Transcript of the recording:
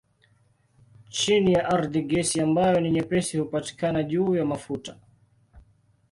Chini ya ardhi gesi ambayo ni nyepesi hupatikana juu ya mafuta.